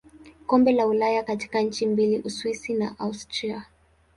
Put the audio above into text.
Kombe la Ulaya katika nchi mbili Uswisi na Austria.